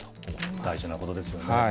大事なことですよね。